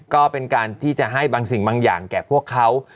ก็เป็นการที่จะให้บางสิ่งบางอย่างแก่พวกเขา